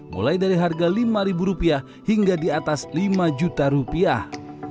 mulai dari harga lima ribu rupiah hingga di atas lima juta rupiah